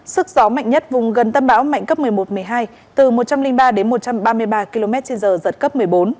sức gió mạnh nhất vùng gần tâm bão mạnh cấp một mươi một một mươi hai từ một trăm linh ba đến một trăm ba mươi ba km trên giờ giật cấp một mươi bốn